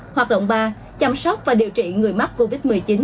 hoạt động ba chăm sóc và điều trị người mắc covid một mươi chín